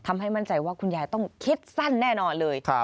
มั่นใจว่าคุณยายต้องคิดสั้นแน่นอนเลย